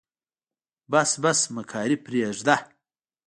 بس بس مکاري پرېده.